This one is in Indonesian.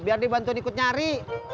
biar dibantuin ikut nyari